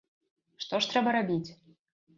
Што ж трэба рабіць?